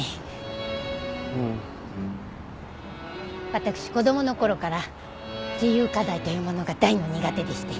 私子供のころから自由課題というものが大の苦手でして。